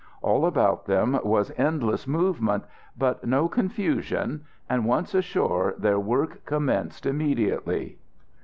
All about them was endless movement, but no confusion, and once ashore their work commenced immediately.